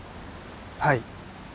はい。